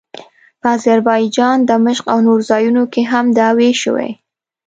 په اذربایجان، دمشق او نورو ځایونو کې هم دعوې شوې.